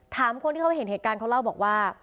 คนที่เขาเห็นเหตุการณ์เขาเล่าบอกว่า